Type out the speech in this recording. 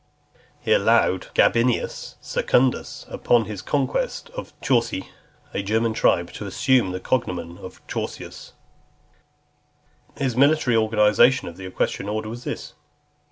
He allowed Gabinius Secundus, upon his conquest of the Chauci, a German tribe, to assume the cognomen of Chaucius. XXV. His military organization of the equestrian order was this.